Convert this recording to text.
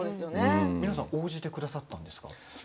皆さん応じてくださったんですか？